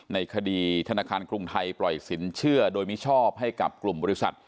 ในคดีธนาคารกรุงไทยปล่อยสินเชื่อโดยมิชอบให้กับกลุ่มบริษัท